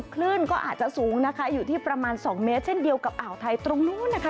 คลื่นก็อาจจะสูงนะคะอยู่ที่ประมาณ๒เมตรเช่นเดียวกับอ่าวไทยตรงนู้นนะคะ